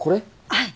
はい。